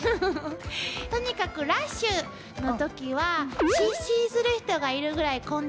とにかくラッシュの時は失神する人がいるぐらい混んでたんですって。